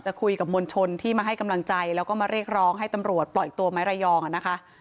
คุยกับมวลชนที่มาให้กำลังใจแล้วก็มาเรียกร้องให้ตำรวจปล่อยตัวไม้ระยองอ่ะนะคะ